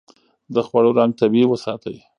د خوړو رنګ طبيعي وساتئ.